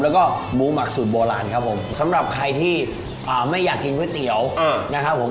แล้วก็หมูหมักสูตรโบราณครับผมสำหรับใครที่ไม่อยากกินก๋วยเตี๋ยวนะครับผม